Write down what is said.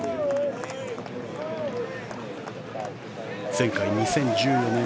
前回２０１４年